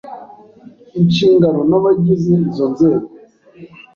inshingano n’abagize izo nzego.